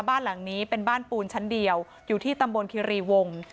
บ้านหลังนี้เป็นบ้านปูนชั้นเดียวอยู่ที่ตำบลคิรีวง